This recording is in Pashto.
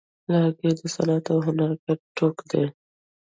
لرګی د صنعت او هنر ګډ توکی دی.